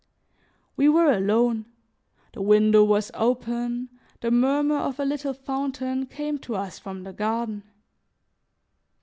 We were alone, the window was open, the murmur of a little fountain came to us from the garden.